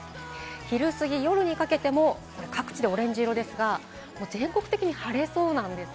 昼過ぎ、夜にかけても各地でオレンジ色ですが、全国的に晴れそうです。